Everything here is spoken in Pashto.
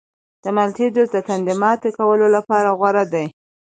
د مالټې جوس د تندې ماته کولو لپاره غوره دی.